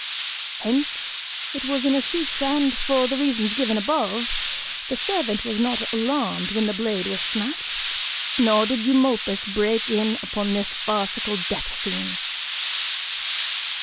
Hence it was in a sheath and, for the reason given above, the servant was not alarmed when the blade was snatched nor did Eumolpus break in upon this farcical death scene.